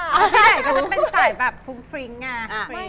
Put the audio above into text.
พี่ใดที่เขาจะเป็นสายแบบฟุ้งฟริ้งไง